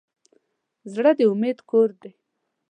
زړه د امید کور دی.